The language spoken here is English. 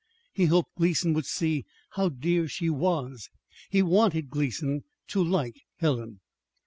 He hoped Gleason would see how dear she was. He wanted Gleason to like Helen.